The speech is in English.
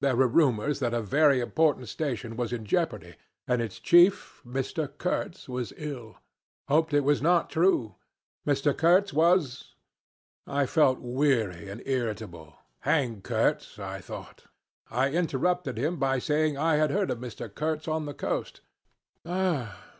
There were rumors that a very important station was in jeopardy, and its chief, Mr. Kurtz, was ill. Hoped it was not true. Mr. Kurtz was ... I felt weary and irritable. Hang Kurtz, I thought. I interrupted him by saying I had heard of Mr. Kurtz on the coast.